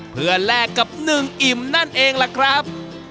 เพื่อแลกกับหนึ่งอิ่มนั่นเองล่ะครับ